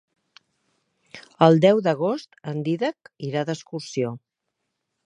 El deu d'agost en Dídac irà d'excursió.